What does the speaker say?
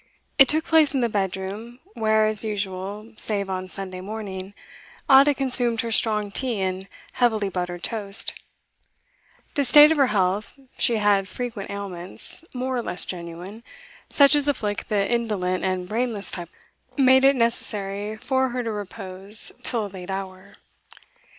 It took place in the bed room, where, as usual save on Sunday morning, Ada consumed her strong tea and heavily buttered toast; the state of her health she had frequent ailments, more or less genuine, such as afflict the indolent and brainless type of woman made it necessary for her to repose till a late hour.